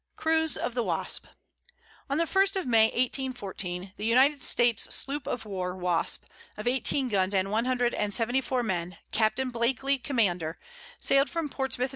CRUISE OF THE WASP. On the first of May, 1814, the United States sloop of war Wasp, of eighteen guns and one hundred and seventy four men, Captain Blakely, commander, sailed from Portsmouth, N.